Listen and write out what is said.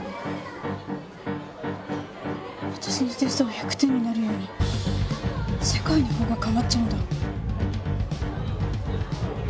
私のテストが１００点になるように世界の方が変わっちゃうんだ。